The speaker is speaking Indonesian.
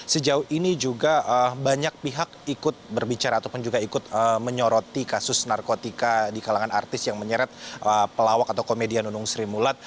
sejauh ini juga banyak pihak ikut berbicara ataupun juga ikut menyoroti kasus narkotika di kalangan artis yang menyeret pelawak atau komedian nunung sri mulat